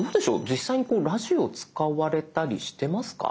実際にラジオを使われたりしてますか？